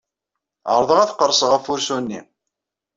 Ɛeṛḍeɣ ad qerseɣ ɣef wursu-nni.